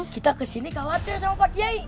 kita kesini khawatir sama pak kiai